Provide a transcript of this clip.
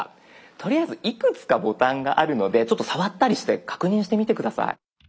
とりあえずいくつかボタンがあるのでちょっと触ったりして確認してみて下さい。